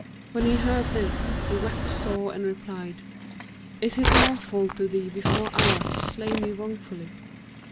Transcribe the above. When he heard this, he wept sore and replied, 'Is it lawful to thee before Allah to slay me wrongfully?'